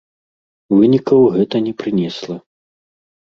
Вынікаў гэта не прынесла.